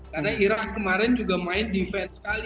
karena irak kemarin juga main defense sekali